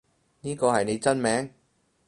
呢個係你真名？